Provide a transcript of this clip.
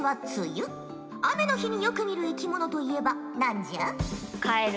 雨の日によく見る生き物といえば何じゃ？